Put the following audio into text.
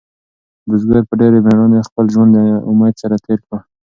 بزګر په ډېرې مېړانې خپل ژوند د امید سره تېر کړ.